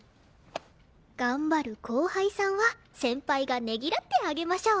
頑張る後輩さんは先輩がねぎらってあげましょう。